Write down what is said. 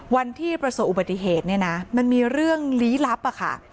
วันที่ประสบอุบัติเหตุเนี่ยนะมันมีเรื่องลี้ลับอะค่ะ